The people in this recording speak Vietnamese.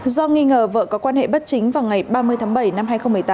do nghi ngờ vợ có quan hệ bất chính vào ngày ba mươi tháng bảy năm hai nghìn một mươi tám